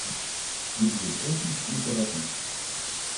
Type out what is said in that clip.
Dit is een ethisch imperatief.